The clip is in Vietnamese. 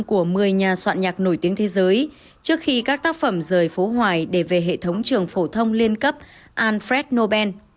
của một mươi nhà soạn nhạc nổi tiếng thế giới trước khi các tác phẩm rời phố hoài để về hệ thống trường phổ thông liên cấp alfred nobel